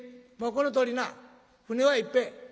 このとおりな船はいっぱい。